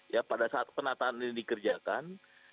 ya pada saat penataan ini dikerjakan